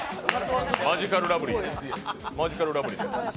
マヂカルラブリーだ。